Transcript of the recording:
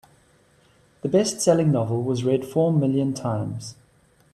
The bestselling novel was read four million times.